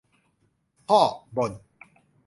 พ่อบ่น